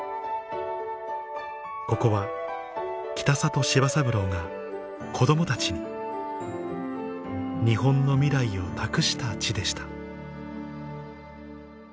ここは北里柴三郎が子供たちに日本の未来を託した地でした